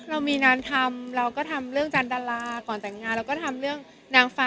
เรามีงานทำเราก็ทำเรื่องจันดาราก่อนแต่งงานเราก็ทำเรื่องนางฟ้า